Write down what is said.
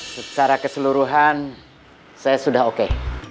secara keseluruhan saya sudah oke